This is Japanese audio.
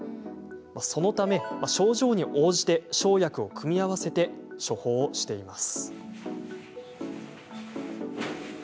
そのため、症状に応じて生薬を組み合わせ処方しています。